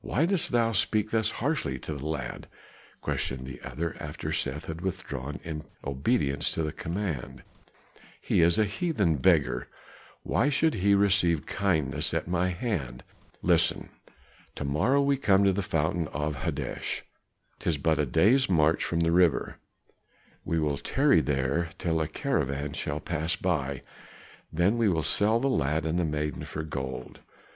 "Why dost thou speak thus harshly to the lad?" questioned the other after Seth had withdrawn in obedience to the command. "He is a heathen beggar; why should he receive kindness at my hand? Listen! to morrow we come to the fountain of Hodesh, 'tis but a day's march from the river; we will tarry there till a caravan shall pass by, then will we sell the lad and the maiden for gold.